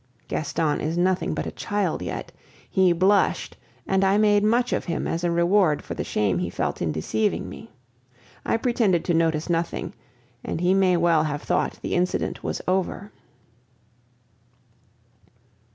Gaston is nothing but a child yet. He blushed, and I made much of him as a reward for the shame he felt in deceiving me. I pretended to notice nothing, and he may well have thought the incident was over.